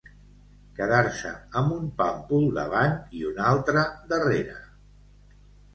Quedar-se amb un pàmpol davant i un altre darrere.